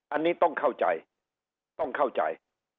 อันนี้ต้องเข้าใจต้องเข้าใจ